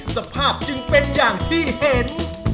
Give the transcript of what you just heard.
สภาพจึงเป็นอย่างที่เห็น